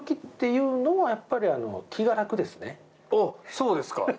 そうですか。